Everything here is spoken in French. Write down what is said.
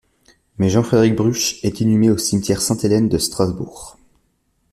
Mais Jean-Frédéric Bruch est inhumé au cimetière Sainte-Hélène de Strasbourg.